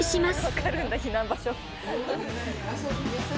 分かるんだ避難場所。